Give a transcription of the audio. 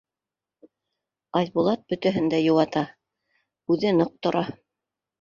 Айбулат бөтәһен дә йыуата, үҙе ныҡ тора: